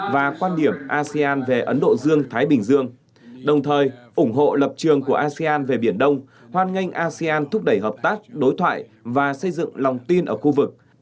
và quan điểm asean về ấn độ dương thái bình dương đồng thời ủng hộ lập trường của asean về biển đông hoan nghênh asean thúc đẩy hợp tác đối thoại và xây dựng lòng tin ở khu vực